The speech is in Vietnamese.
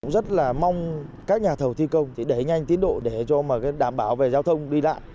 rất là mong các nhà thầu thi công đẩy nhanh tiến độ để cho đảm bảo về giao thông đi lại